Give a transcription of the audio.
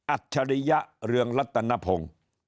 ฉริยะเรืองรัตนพงศ์